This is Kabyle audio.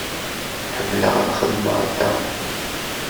Ḥemmleɣ ad xedmeɣ da.